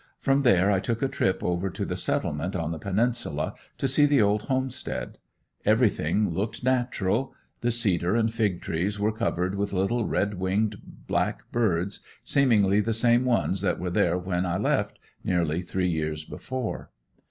From there I took a trip over to the "Settlement," on the Peninsula, to see the old homestead. Everything looked natural; the cedar and fig trees were covered with little red winged black birds, seemingly the same ones that were there when I left, nearly three years before.